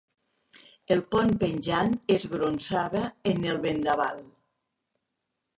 El pont penjant es gronsava en el vendaval.